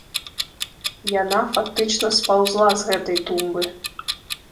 Яна фактычна спаўзла з гэтай тумбы.